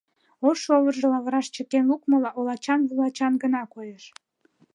Ош шовыржо лавыраш чыкен лукмыла олачан-вулачан гына коеш.